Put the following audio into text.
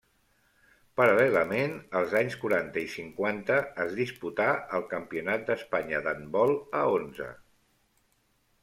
Paral·lelament, als anys quaranta i cinquanta es disputà el Campionat d'Espanya d'handbol a onze.